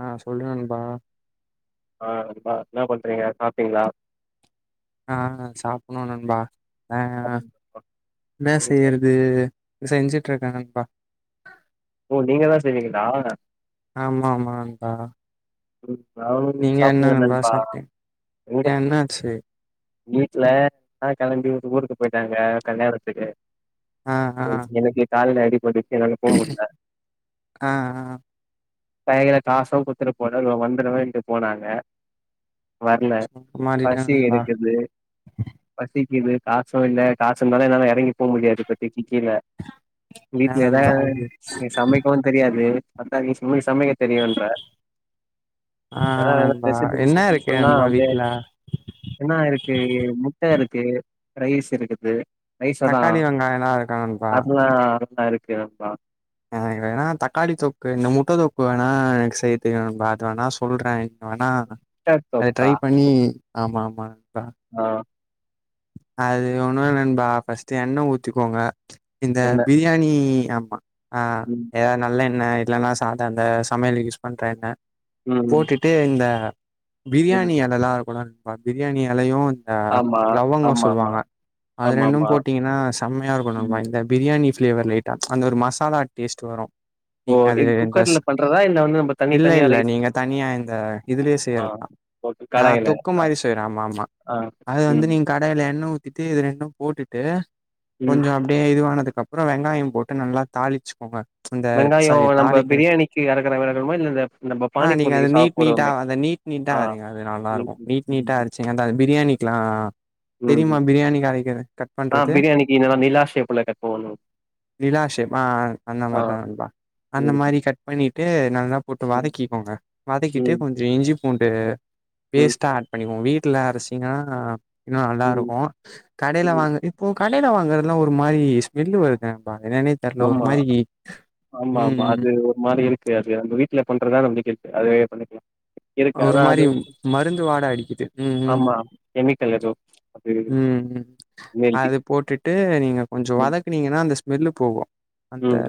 ஆ சொல்லு நண்பா ஆ [unintelligible] என்னா பண்றீங்க சாப்பீங்களா ஆ சாப்டணு நண்பா ஆ சாப்டேன் என்ன நீங்க செய்யறது [unintelligible] செஞ்சுட்ருக்கே நண்பா ஓ நீங்க தா செய்வீங்களா ஆமா ஆமா நண்பா ம் நானு நீங்க என்ன சாப்பிலா நண்பா சாப்ட்டீங் ஏ வீடு என்னாச்சு வீட்ல ஆ கெளம்பி வந்து ஊருக்கு போயிட்டாங்க கல்யாணத்துக்கு அ ஆ என் எனக்கு கால்ல அடி பெடி ஆ ஆ கைகல காசு குத்துருப் [unintelligible] வந்துருவன்ட்டு போனாங்க வரல மாறிட்டே பசி நண்பா எடுக்குது பசிக்குது காசு இல்ல காசு இருந்தாலு என்னால இறங்கி போ முடியாது இப்பத்திக்கி கீழ என்ன வீட்ல ஏதா நண்பா இது ஸ் சமைக்கவு தெரியாது அதா நீ [unintelligible] சமையக்க தெரியுன்ற ஆ நண்பா என்ன இருக்கு நண்பா [unintelligible] வீட்ல என்னா இருக்கு முட்ட இருக் [unintelligible] ரைஸ் இருக்குது ரைஸ் சோதா தக்காளி வெங்காயல்லா இருக்கா நண்பா [unintelligible] டருக்கு நண்பா ஆ வேணா தக்காளி தொக்கு இந்த முட்ட தொக்கு வேணா எனக்கு செய்ய தெரியு அது வேணா சொல்றே நீங்க வேணா அ முட்ட அத ட்ரை பண்ணி ஆமா ஆமா ஆஹ் அது ஒண்ணுல்ல நண்பா பஸ்ட்டு எண்ண ஊத்திக்கோங்க இந்த என்ன பிரியாணி ஆமா ஆஹ் ம் ஏதா நல்லெண் என்ன இல்லன்னா சாத அந்த சமையல்கு யூஸ் பண்ற எண்ண ம் போட்டுட்டு இந்த ம் பிரியாணி இலல்ல இருக்குல அப்ப பிரியாணி எலையும் ஆ ஆமா லவ்வங்கம் ஆமா ஆமா சொல்லுவாங்க அது ஆமா ரெண்டும் ஆமா போட்டீங்கன்னா செம்மையா ம் இருக்குன்னு இந்த பிரியாணி ஃப்ளேவர் லைட்டா அந்த ஒரு மசாலா டேஸ்ட் வரும் ஓ நீங்க அது இது இந்த ஸ் குக்கர்ல பண்றதா இல்ல வந்து நம்ம தனி இல்ல தனியா இல்ல ரைஸ் நீங்க தனியா இந்த இதுலயே ஆ செய்யறதுதா ஓகே நா கடாயில தொக்கு மாரி செய்றே ஆமாமா ஆ அது வந்து ம் இதுல எண்ண ஊத்திட்டு இது ரெண்டும் போட்டுட்டு ம் கொஞ்சம் அப்டே இதுவானதுக் அப்றோ வெங்காயம் போட்டு நல்லா தாளிச்சுக்கோங்க அந்த வெங்காயோ சாரி நம்ம தாலிக்க பிரியாணிக்கு அறக்குற வெங்காயமா இல்ல இந்த நம்ம அஹ் நீங்க பானிபூரி அத சா நீட் நீட்டா போடுவோமே அத நீட் நீட்டா ஆ அரிங்க அது நல்லா ம் இருக்கும் நீட் ம் நீட்டா ம் அரிச்சீங்கனா பிரியாணி ஆஹ் தெரியுமா ம் பிரியாணி கரைக்கற கட் ஆ பண்றது பிரியாணிக்கு நல்லா நிலா ஷேப்ல கட் பண்ணணு நிலா ஷேப் அஹ் அஹ் அந்த ஆ மாரிதா நண்பா அந்த ம் மாரி கட் பண்ணிட்டு நல்லா போட்டு ம் வதக்கிக்கோங்க வதக்கிட்டு ம் கொஞ்சம் இஞ்சி பூண்டு ம் பேஸ்ட்டா ஆட் பண்ணிக்கோங் வீட் க்கிளாரசிங்கா இன்னும் நல்லா ம், இருக்கும் கடைல ம். வாங்க இப்போ கடைல வாங்கறதுலாம் ஒரு மாரி ஸ்மெல்லு வருதே ஆமா ஆமா ம் ஆமா ம். அது ஒரு மாரி இருக்கு அது அந்த வீட்டுல பண்றதான நம்பிக்க அதுவே பண்ணிக்கலாம் இருக்கு. ஒரு ஆனா மாரி அது மருந்து வாட அடிக்குது உம் ஆமா. கெமிக்கல் ஏதோ. அது உம் ஹெல்தி. அது போட்டுட்டு நீங்க கொஞ்சம் ம், வதக்குனீங்கன்னா அந்த ஸ்மெல்லு போவு அந்த ம்.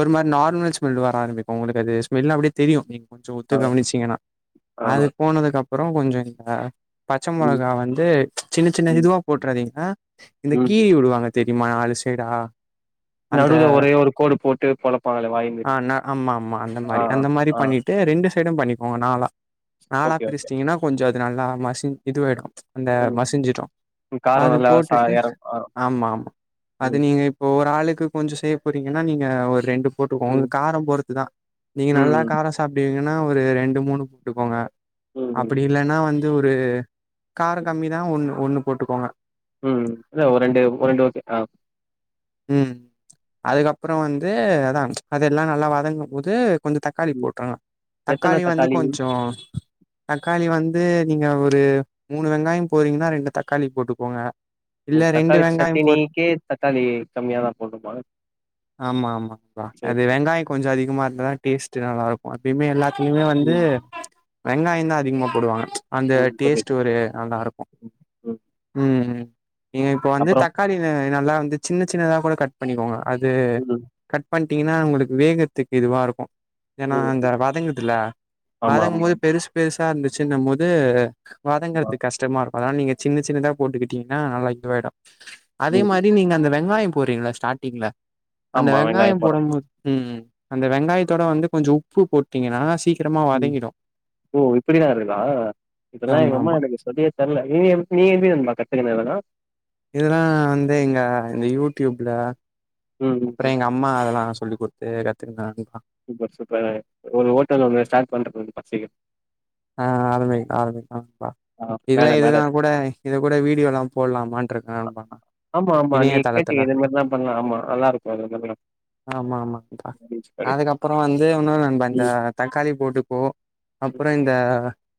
ஒரு மாரி நார்மல் ஸ்மெல் வர ஆரம்பிக்கும் உங்களுக்கது ஸ்மெல்லா அப்டியே தெரியும் உம் கொஞ்சொ உத்து ஆ, கவனிச்சீங்கன்னா ஆ. அது போனதுக்கப்ப அப்பறொ கொஞ்சொ அ பச்ச ம், மொளகா வந்து சின்னச் சின்ன ம், இதுவா போட்றாதீங்க அ இந்த ம். கீறி விடுவாங்க ப தெரியுமா அது செய்டா நடுல ஒரே ஒரு கோடு போட்டு பொளப்பாங்களே வாய் ஆ மேரி நா ஆமா ஆமா அந்த ஆ மாரி அந்த மாரி ஆ ஆ பண்ணிட்டு ரெண்டு சைடு பண்ணிக்கோங்க நாலா நாலா ஓகே. பிரிச்சிட்டீங்கன்னா கொஞ்சொ இது நல்லா மஷிஞ் இதுவாய்டு அந்த ம். மசிஞ்சிரு ம். காரம் அது நல்லா சா போட்டுட்டு எறங் ஆ. ஆமா ஆமா அது ம், நீங்க இப்போ ஒரு ஆளு கு கொஞ்சொ செய்ய போறீங்கன்னா நீங்க ஒரு ரெண்டு போட்டுக்கோங் ம், காரம் பொறுத்துதா நீங்க நல்லா ம், காரொ சாப்டுவீங்க ன்னா ஒரு ரெண்டு மூணு போட்டுக்கோங்க ம், அப்டி ம். இல்லன்னா வந் து ஒரு காரொ ம். கம்மிதா ஒண்ணு ஒண்ணு போட்டுக்கோங்க ம் இல்ல ஒரு ரெண்டு ஒரு ரெண்டு ஓகே ஆ ம் அதுக்கப்பறோ வந்து அதா அதெல்லா நல்லா வதங்கம் போது கொஞ்சொ தக்காளி ம். போட்ருங்க தக்காளி வந்து கொஞ் சொ தக்காளி வந்து நீங்க ஒரு மூணு வெங்காயம் போறீங்கன்னா ரெண்டு தக்காளி போட்டுக்கோங்க ஓ! இல்ல ரெண்டு தக்காளி வெங்காயம் போறீ சட்டினிக்கே தக்காளி கம்மியா தான் போடணுமா? ஆமா ஆமாம்ப்பா ஆ சரி, அது சரி. வெங்காயொ கொஞ்சொ அதிகமா இருந்தாதா டேஸ்ட் நல்லாருக்கு அப்பைமே எல்லா இனிமே வந்து ம், வெங்காயந்தா அதிகமா போடுவாங்க அந்த ம். புரியுது. டேஸ்ட்டு ஒரு நல்லா இருக்கு ம், ம். ம் ம் நீங்க இப்ப வந்து அப்புறம்? தக்காளி நல்லா வந்து சின்ன சின்னதா கூட கட் பண்ணிக்கோங்க அது ம், கட் பண் டீங்கன்னா உங்களுக்கு வேகற்த்துக்கு இதுவா இருக்கு ஏன்னா அந்த ம். வதங்குதுல ஆமா, வதங்க ஆமா, போது பெருசு பெரு சா இருந்துச்சின்னு போது ஆமா. வதங்கறது கஷ்டமா இருக் அதலா நீங்க சின்ன சின்னதா போட்டுக்கிட்டீங்னா நல்லா இதுவாயிடூ அதே ம். மாரி நீங்க அந்த வெங்காயம் போறீங்ளா ஸ்டாட்டிங்ல அந்த ஆமா, வெங்காயோ வெங்காயம் போடுறோம். போடும்போத் ம் அந்த வெங்காயத்தோட வந்து கொஞ்ச உப்பு போட்டீங்னா சீக்கிரமா வ ம் ஓ இப்டிலாருக்குதா இதல்லா ஆமா எங்கம்மா ஆமா எனக்கு சொல்லியே தர்ல நீ எப் நீ எப்டி வந்துபா கத்துக்கி இதல்லா இதல்லா வந்து இங்க இந்த யூடியூப்ல ம், ம், அப்றோ ம். எங்கம்மா அதல்லா சொல்லி குடு து கத்துக்கின அதல்லா சூப்பர் சூப்பர் ஒரு ஹோட்டல் வந்து ஸ்டாட் பண்ற [unintelligible] சீக்கிரோ ஆ ஆரம்பி ஆரம்பிக்லா பா ஆ, இதல்லா மேல, மேல. இதுல்லா கூட இது கூட வீடியோலா போடலாமான்ருக்கேம்பா ஆமா, ஆமா. நீ இணையதளத்துல கேட்டீங்க இது மாரி தான் பண்ணலாம். ஆமா, நல்லாருக்கும். அது மாதிரிலாம். ஆமா ஆமாங் பா பீச் கடைக்கு. அதுக்கப்றோ வந்து இன்னூ நம் அந்த ம், தக்காளி போட்டுப்போ அப்ற் ம், இந்த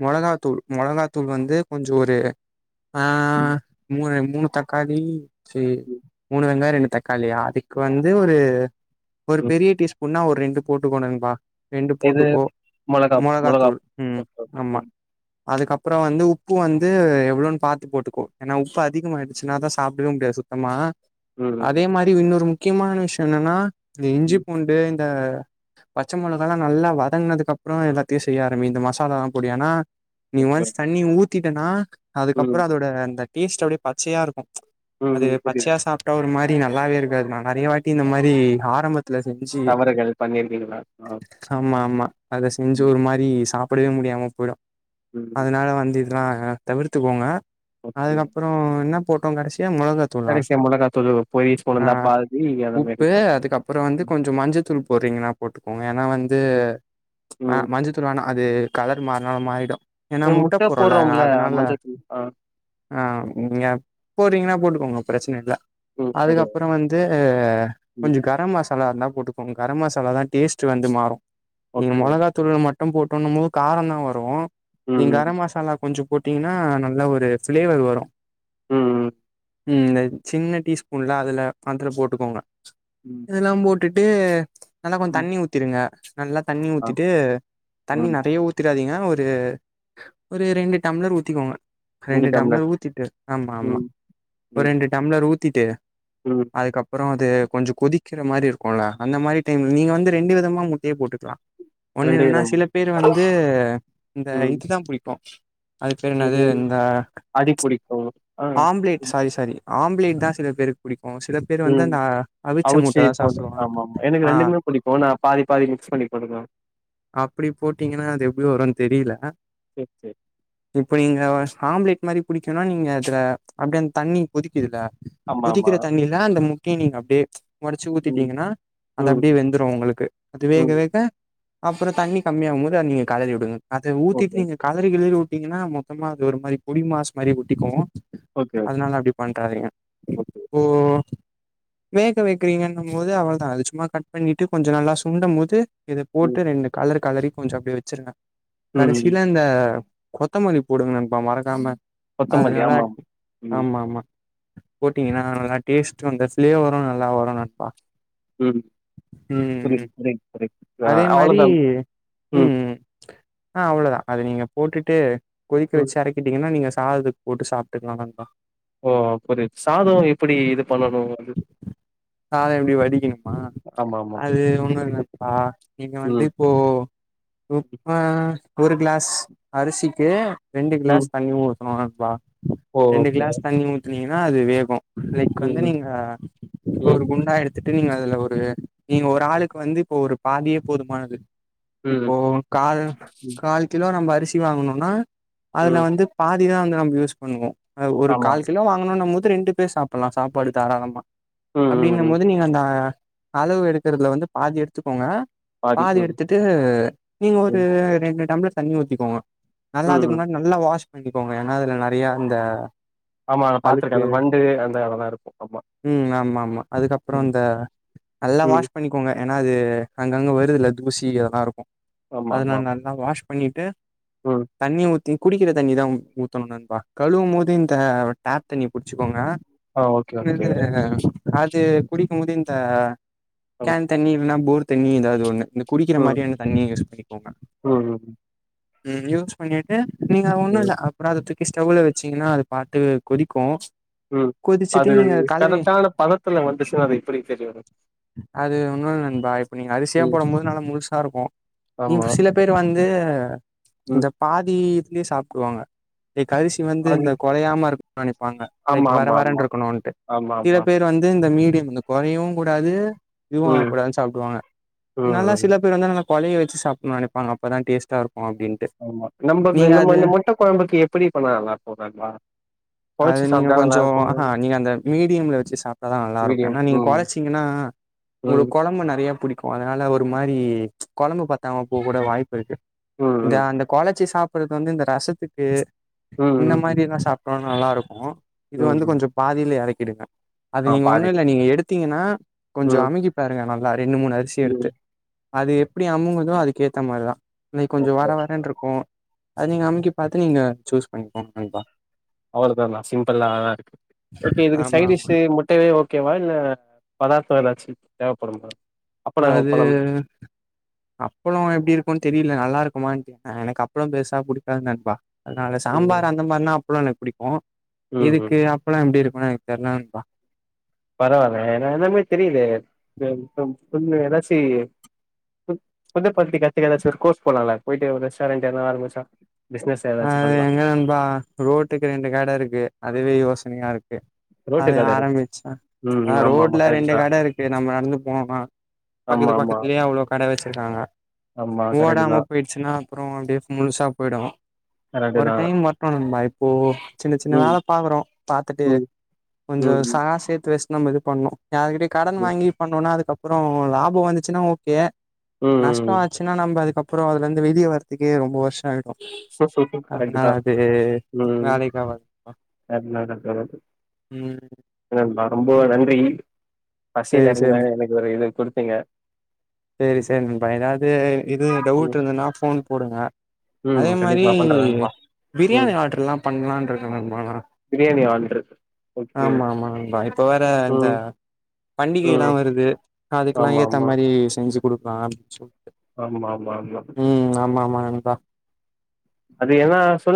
மொளகாத்தூள் மொளகாத்தூள் வந்து கொஞ்சோ ஒரு ஆ ம், மூரே மு மூணு தக்காளி சேரி ம், மூணு வெங்காயோ ரெண்டுப் தக்காளி அதுக்கு வந்து ஒரு ஒரு ம். பெரிய டீஸ்பூன்னா ஒர் ரெண்டு போட்டுக்கணூங்பா எது மொளகாப் மொளகாப் [inaudible] அதுக்கப்றோ வந்து உப்பு வந்து எவ்ளோன் பாத்து போட்டுக்கோ ஏனா உப்பு அதிகமாயிடுச்சுனா தா சாப்டவே முடியாது சுத்தமா ம், ம், அதே மாரி இன்னொரு மு க்கியமான விஷ்யோ என்னனா து இஞ்சி ம். பூண்டு த பச்ச மொளகால்லா நல்லா வதங்குனதுக்கப்றோ எல்லாத்தையூ செய்ய ஆரம்பி இந்த மஸ் சாலா பொடி ஆனா நீ ஓகே, ஒன்ஸ் ஓகே. தண்ணி ஊத்திட்டனா ம், அதுக்கப்றோ அதோட அந்தக் டேஸ்ட் அப்டியே பச்சையாருக்கூ அது ம். புரியுது. பச்சையா சாப்டா ஒரு மா நல்லாவே இருக்காது நா நெறைய வாட்டி இந்த மாரி ஆரம்பத் துல செஞ்சு தவறுகள் பண்ணிருக்கீங்களா? ஆ. ஆமா ஆமா அத செஞ்சு ம். ஒரு மாரி சா ப்டியே முடியாம போயிடூ ம். அதனால வந்து ஆ ஹ தவிர்த்துகோங்க ஓகே. அதுக்கப்புற என்ன போட்டோ கடைசி யா மொளகாத்தூளா கடைசியா மொளகாத்தூளு பொடி ஸ்பூன் ஆ இருந்தா பாதி அந்த மாரி உப்பு போட்டு அதுக்கப்புற வந்து ம், கொஞ்ச மஞ்சத்தூள் போடுறிங்கனா போட்டுக்கோங்க ஏனா வந்து ம், ம். மஞ்சத்தூள் வேணா அது கலர் மாறுனாலு மாறிடு ஏனா இந்த முட்டை முட்ட போடுறோல போடுறோம்ல அதனால மஞ்சத்தூள். ஆ. ஆ நீங்க போடறிங்கனா போட்டு உங்க பிரச்சனை இல்ல ம். சரி. அதுக்கப்புற வந்து ம். கொஞ்ச கரம் மசா லா இருந்தா போட்டுகோங்க கரம் மசாலாதா டேஸ்ட்டு வந்து மாறு நீங்க ஓகே. மொளகா தூள்ல மட் டு போட்டோனமு காரந்தா வரு ம், நீங் கர ம். மசாலா கொஞ்சு போட்டீங்னா நல்ல ஒரு ஃபிளேவர் வரு ம்ம் இந்த சின்ன டீ ஸ்பூன்ல அதுல அத்துல போட்டுக்கோங்க ம். இதுல்லா போட் டிட்டு நல்லா கொஞ் ம். தண்ணி ஊத்திருங்க நல்லா தண்ணி ஆ. ஊத்திட்டு தண்ணி ம். நர் திராதீங்க ஒரு ஒரு ரெண்டு டம்ளர் ஊத்திக்கோங்க ரெண்டு டம்ளர் ஊத்திட்டு ஆம்மா ஆம்மா ம், ஒரு ம், ரெண்டு டம்ளர் ஊத் தீட்டு ம். அதுக்கப்புறொ தே கொஞ்சு கொதிக்கிற மாரி இருக்குல்ல அந்த மாரி டைம்ல நீங்க வந்து ரெண்டு விதமா முட்டயே போட்டுக்கலா ஒன்னு என்னென்னா விதமா. சில பேர் வந்து இந்த ம். இதுதா புடிக்கு அதுக் பேர் என்னாது இது இந்த அடி புடிக்கும். ஆ. ஆம்லேட் ம், சாரி சாரி ஆ ஆம்லேட்தா சில பேருக்கு பிடிக்கு சில பேர் வந்து ம். அந்த அவிச்ச அவிச்சு முட்டைதா போடு சாப்பிடுவாங்க ஆமாமா. எனக்கு ஆ புடிக்கும். நான் பாதி பாதி மிக்ஸ் பண்ணி போட்டுக்குவேன். அப்பிடி போட்டிங்கனா அது எப்படி வருன் தெரில சரி, சரி. இப்ப நீங்க ஆம்லேட் மாரி புடிக்குன்னா நீங்க அப்டியே அந்த தண்ணி கொதிக்குதுல ஆமாமா. கொதிக்கிற தண்ணில தா அந்த மு டி நீங்க அப்டே ஒடச்சு ம், ஊத்திட்டீங்கன்னா அது ம், அப்டியே வெந்துரு உங்களுக்கு அது வேக ம். வேக அப்புறோ தண்ணி கம்மியாகும்போது நீங்க கெளறி விடுங்க அது ஓகே. ஊத்திட்டு நீங்க களரி கிளரி பாத்திங்கன்னா மொத்தமா அது ஒரு மாரி பொடிமாஸ் மாரி ஒட்டிக்கு ஓகே, ஓகே, அதனால அப்டி பண்றாதீங்க ஓகே. இப்போ வேக வைக்கிறீங்கன்னு போது அவளதா அது சும்மா கட் பண்ணிட்டு கொஞ்ச நல்லா சுண்டம் போது இதை போட்டு ம், ரெண்டு கெலரு கெலரி கொஞ்சோ அப்டியே வெச்சிருங்க ம். கடைசியில இந்த கொத்தமல்லி போடுங்களேம்ப்பா மறக்காம அது கொத்தமல்லி நல்லா ஆமா ஆமா ஆமா போட்டீங்கன்னா நல்லா டேஸ்ட்டு அந்த பிளேவரும் நல்லா வரு நட்பா உம் [unintelligible] ஆஹ் அதே அவ்ளோதா உம் ஆஹ் அவ்ளோ தா அது நீங்க போட்டுட்டு கொதிக்க ம். வச்சு எறக்கிட்டீங்கன்னா நீங்க சாதத்துக்கு போட்டு சாப்பிட ட்டுக்கனாக்கா ஓ! புரியுது. சாதம் எப்படி இது பண்ணணும் அது? சாதம் எப்டி வடிக்கணுமா ஆமாமா. அது ஒண்ணும் இல்லப்பா நீங்க வந்து ம், இப்போ குரூப்பா ஒரு கிளாஸ் அரிசிக்கு ரெண்டு ம். கிளாஸ் தண்ணி ஊத் [unintelligible] ஓ! ரெண்டு ஓகே. கிளாஸ் தண்ணி ஊத் ன்னிங்கன்னா அது வேகு இன்னிக்கு வந்து ம், நீங்க ம், ஒரு குண்டா எடுத் த்துட்டு நீங்க அதுல ஒரு நீங்க ஒரு ம், ஆளுக்கு வந்து இப்போ ஒரு பாதியே போதுமானது ம், இப்போ கால் ம், கால் கிலோ நம்ப அரிசி சி வாங்கணும்னா அதுல ம். வந்து பாத் [unintelligible] தா வந்து நம யூஸ் பண்ணுவோ ஒரு ஆமா. கால் கிலோ வாங்கணும் போது து ரெண்டு பேர் சாப்பிடலாம் சாப்பாடு தாராளமா ம், ம், அப்படினும் ம். போது நீங்க அந்த அளவு எடுக்குறதுல வந்து பாதி எடுத்துக்கோங்க பாதி எடுத்துட்டு நீங்க ஒரு ம், ரெண்டு டம்ளர் தண்ணி ஊத்திக்கோங்க நல்லா ம், அதுக்கு ம். முன்னாடி நல்லா வாஷ் கண்டிக்கோங்க ஏனா அதுல நெறயா இந்த ஆமா, அத அழுக்கு பார்த்துருக்கேன். அந்த வண்டு அந்த அதெல்லாம் இருக்கும். ஆமா. ம் ஆமா ஆமா அதுக்கப்புறம் ம், இந்த நல்லா ம். வாஷ் பண்ணிக்கோங்க ஏனா அது அங்கங்கே வருதுல தூசி அதெல்லா இருக்கு ஆமா, அதனா ஆமா. நா நல்லா வாஷ் பண்ணிட்டு ம். தண்ணி ஊ த்தி குடிக்கிற தண்ணிதா ஊத்தணும் நண்பா கழுவும்போது து இந்த டேப் தண்ணி புடிச்சுக்கோங்க ஆஹ் ஓகே ஓகே இது அது குடிக்கும்போது இந்த ம், கேன் தண்ணி இல்லனா போர் தண்ணி எதாவது ஒண்ணு இந்த குடிக்கிற ம், மாரியான தண்ணிய யூஸ் பண்ணிக்கோங்க ம், ம் யூஸ் பண்ணிட்டு நீங்க ம். ஒண்ணுல்ல அப்பறோ அத தூ க்கி ஸ்டோவ்ல வெச்சிங்கன்னா அது பாத்து கொதிக்கு ம் கொதிச்சுட்டு அது நீங்க கழுவி கரெக்டான பதத்துல வந்துச்சுன்னா அது எப்டி தெரியு அது ஒண்ணுமில்ல நண்பா இப்ப நீங்க அரிசியா ம் போடும்போது நல்லா முழுசா இருக்கு நீ ஆமா சில பேர் வந்து ஆ இந்த ம் பாதி ங்கே சாப்பிடுவாங்க ஏக் அரிசி வந்து அது இந்த உடையமா இரு பண்ணிபாங்க லைக் ஆமா வர ஆமா வர ஆமா இருக்கணூன்ட்டு ஆமா சில ஆமா பேர் வந்து இந்த மீடியம் இந்த கொறையவுங் கூடாது இதுவும் ஆக ம் கூடாதுனு சாப்டுவாங்க ம் நல்லா ம் சில பேர் வந்து நல்ல கொலைய வெச்சு சாப்பனு நெனப்பாங்க அப்பதா டேஸ்டா இரு ஆமா நம்ப நம்ம இந்த முட்ட கொழம்புக்கு எப்படி பண்ணா நல்லா இருக்கும் நண்பா அது கொழச்சு நீங்க சாப்ட்டா நல்லா கொஞ்சோ இருக்குமா அஹ்ஹ நீங்க அந்த மீடியம்ல வச்சு சாப்ட்டாதா நல்லா இருக்கு மீடியம் ஏன்னா நீங்க ம் கொழச்சீங்கன்னா ம் உங்ளுக்கு குழம்பு நெறைய புடிக் அதனால ஒரு மாரி கொழம்பு பத்தாம போக கூட வாய் ம் இத ம் அந்த கொளச்சி சாப் [unintelligible] வந்து இந்த ரசத்துக்கு ம் இந்த ம் ம் மாரி லா சாப்பும் நல்லா ருக்கும் இது ம் வந்து ம் கொஞ்சோ பாதியிலே எரைக் இருக்க அது ஆ நீங்க ஒண்ணு பாதி இல்ல நீங்க எடுத்தீங்கன்னா கொஞ்சோ ம் அமுக்கி பாருங்க நல்லா ரெண்டு மூணு அரசி எடுத்து ம் அது அப்படி அமுங்குதோ ம் அதுக்கு ஏத்த மாரிதா லைக் கொஞ்சொ ஓகே வர வரன் ருக்கு அது நீங்க அமுக்கி பாத்து நீங்க சூஸ் பண்ணிக்கோ கண்டிப்பா அவ்வளோதான்ன சிம்ப்ளா தா இருக்கு ஓகே இதுக்கு ஆமா ஆமா சைடிஷு முட்டையவே ஓகேவா இல்ல பதார்த்தொ எதாச்சு தேவப்படுமா அப்பளோ அது பழம் அப்பளோ எப்டி இருக்கு தெரி இல்ல நல்லாருக்குமான் கேக்றே எனக்கு அப்ளோ பெருசா புடிக்காது நண்பா அதனால ம் சாம்பார் அந்த மார்னா அப்பள புடிக்கு ம் ம் இதுக்கு அப்பலம் எப்டி இரு ஹ எனக் தெர்ல நண்பா பரவால்ல எல்லாமே தெரியுதே [unintelligible] எதாச்சு ஃபுட்ட பத்தி கத்துக்க ஏதாச்சு ஒரு கோர்ஸ் போலால போயிட்டு ஒரு ரெஸ்டாரன்ட் எதனு ஆரம்பிச்சா பிசினஸ் ஏதாச்சு அஹ் பண்லா எங்க நண்பா ரோட்டுக்கு ரெண்டு கட இருக்கு அதுவே யோச் [unintelligible] ரோட்டு அது கட இருக்கு ஆரம்பிச்ச ஆ ம் ஆமா ஆமா ரோட்ல கரெக்ட் ரெண்டு தா கட இருக்கு நம்ம நடந்து போவோம் பக்கத்து ஆமா ஆமா பக்கத்துலயே அவ்ளோ கட வச்சிருக்காங்க ஆமா கரெக்ட் தா ஓடாம போயிடுச்சுன்னா அப்றோம் அப்டியே முழுசா போய்டும் கரெக்ட் ஒரு தா டைம் வட்டணும்பா இப்போ சின்ன சின்ன ம் வேல பாக்குறோம் பாத்துட்டு ம் கொஞ்சொ ம் சகா சேத்து வச் நம்ம இது பண்ணோ யார்கிட்டி கடன் ம் வாங்கி பண்ணோன்னா அதுகப் அப்புறோ லாபம் வந்துச்சுன்னா ஓகே ம் நஷ்டோ ஆச்சுன்னா நம்ப அதுக்கப் புறோ அதுலருந்துவெளிய வரத்துக்கே ரொம்ப வருஷோ ஆயிடு அதனால கரெக்ட்டுதா அது வேலைக்கு ஆவாது ம் [unintelligible] ரொம்போ நன்றி பசில இருந்த எனக்கு ஒரு இது‌ குடுத் திங்க செரி செரி நண்பா ஏதாது இது டவுட் ம் இருந்துதுனா ஃபோன் போடுங்க ம் அதே மாரி கண்டிப்பா பண்றே நண்பா ம் பிரியாணி ஆர்டர்லா பண்லான்ட்ருக்க நண்பா நா பண்றது ஆமா ஆமா நண்பா இப்ப வேற இந்த ம் ம் பண்டிகைலா வருது அதுக்கெலா ஆமா, ஏத்த ஆமா. மாரி செஞ்சு குடுப்ப அனுப்ச்சிடு ஆமா ஆமா ஆமா பா அது ஏனா சொல்லு